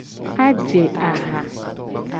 Aje aha.